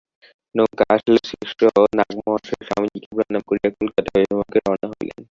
নৌকা আসিলে শিষ্য ও নাগ-মহাশয় স্বামীজীকে প্রণাম করিয়া কলিকাতা অভিমুখে রওনা হইলেন।